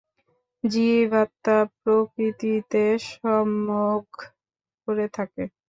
জীবাত্মা প্রকৃতিকে সম্ভোগ করে থাকে।